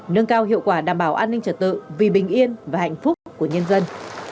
nâng cao hiệu quả đảm bảo an ninh trật tự vì bình yên và hạnh phúc của nhân dân